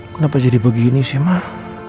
kenapa jadi begini sih mah